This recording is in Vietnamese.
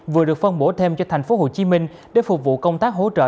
vừa được phân bổ thêm cho thành phố hồ chí minh để phục vụ công tác hỗ trợ